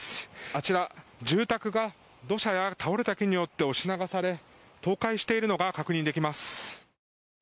あちら、住宅が土砂や倒れた木によって押し倒され倒壊しているのが確認できます。